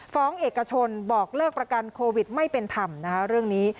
เอกชนบอกเลิกประกันโควิดไม่เป็นธรรมนะคะเรื่องนี้